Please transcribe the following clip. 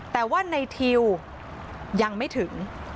แต่ว่าในทิวยังไม่ถึง